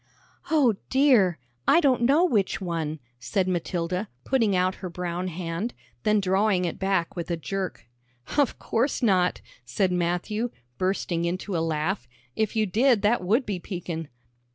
"O dear! I don't know which one," said Matilda, putting out her brown hand, then drawing it back with a jerk. "Of course not," said Matthew, bursting into a laugh; "if you did that would be peekin'."